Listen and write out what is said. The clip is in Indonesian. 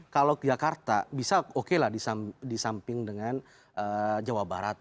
kalau ke jakarta bisa oke lah di samping dengan jawa barat